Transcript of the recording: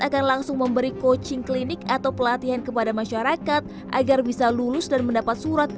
akan langsung memberi coaching klinik atau pelatihan kepada masyarakat agar bisa lulus dan mendapat surat